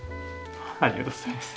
ありがとうございます。